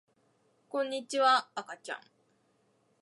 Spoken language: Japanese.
こんにちは、あかちゃん